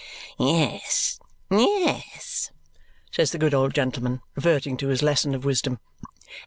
"Yes, yes," says the good old gentleman, reverting to his lesson of wisdom.